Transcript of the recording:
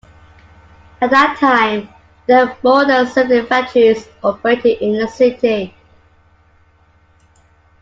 At that time, there were more than seventy factories operating in the city.